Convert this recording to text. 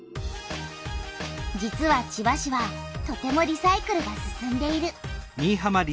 実は千葉市はとてもリサイクルが進んでいる。